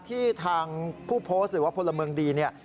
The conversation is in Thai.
ที่ทางผู้โพสต์หรือว่าพลเมืองดีเนี่ย